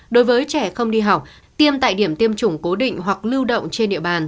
đối với trẻ không đi học tiêm tại điểm tiêm chủng cố định hoặc lưu động trên địa bàn